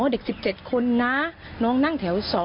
เด็ก๑๗คนนะน้องนั่งแถว๒